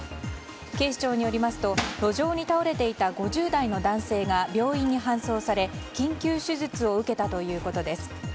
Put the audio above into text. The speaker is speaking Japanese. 警視庁によりますと路上に倒れていた５０代の男性が病院に搬送され緊急手術を受けたということです。